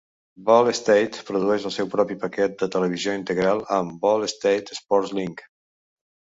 Ball State produeix el seu propi paquet de televisió integral amb Ball State Sports Link.